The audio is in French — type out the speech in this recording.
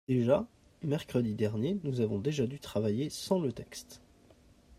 Déjà mercredi dernier, nous avons déjà dû travailler sans le texte.